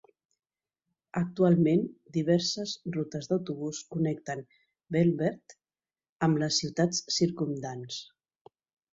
Actualment, diverses rutes d'autobús connecten Velbert amb les ciutats circumdants.